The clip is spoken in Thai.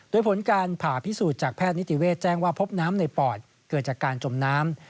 โดยผลการผ่าพิสูจน์จากแพทย์นิติเวศแจ้งว่าพบน้ำในปอดเกิดจากการจมน้ำ